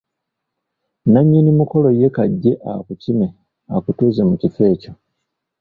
Nnanyini mukolo ye kajje akukime akutuuze mu kifo ekyo.